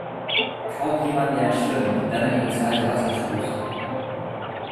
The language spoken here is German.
Kaum jemand lernt schwimmen, wenn man ihn ins kalte Wasser stößt.